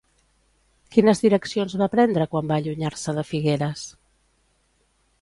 Quines direccions va prendre quan va allunyar-se de Figueres?